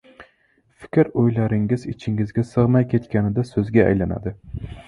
— Fikr-o‘ylaringiz ichingizga sig‘may ketganida so‘zga aylanadi.